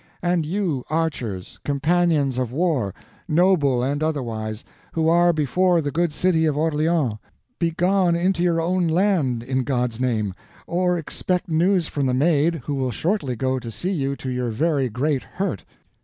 And you archers, companions of war, noble and otherwise, who are before the good city of Orleans, begone into your own land in God's name, or expect news from the Maid who will shortly go to see you to your very great hurt.